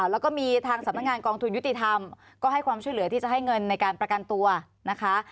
แล้วก็มีทางสำนักงานกองทุนยุติธรรมก็ให้ความช่วยเหลือที่จะให้เงินในการประกันตัวนะคะ